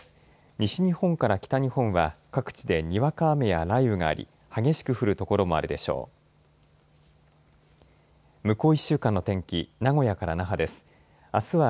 西日本から北日本は各地でにわか雨や雷雨があり、激しく降る所もあるでしょう。